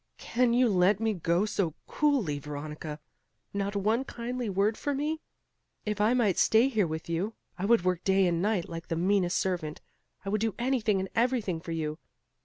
"Can you let me go so coolly, Veronica? not one kindly word for me? If I might stay here with you, I would work day and night like the meanest servant; I would do anything and everything for you.